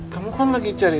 bapaknya gak mau nyanyi